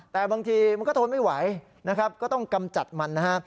แต่บางทีมันก็ทนไม่ไหวนะครับก็ต้องกำจัดมันนะฮะ